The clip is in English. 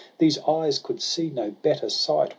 these eyes could see no better sight.